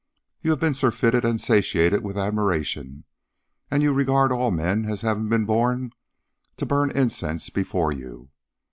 You have been surfeited and satiated with admiration, and you regard all men as having been born to burn incense before you.